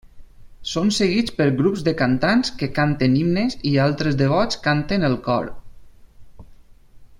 Són seguits per grups de cantants que canten himnes i altres devots canten el cor.